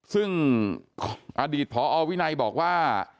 ซึ่งอดีตพอวินัยบอกว่า